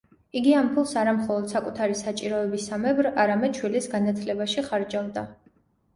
იგი ამ ფულს არა მხოლოდ საკუთარი საჭიროებისამებრ, არამედ შვილის განათლებაში ხარჯავდა.